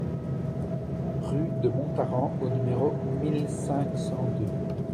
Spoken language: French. Rue de Montaran au numéro mille cinq cent deux